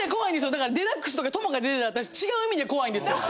だから『ＤＸ』とか友香出てたら私違う意味で怖いんですよ。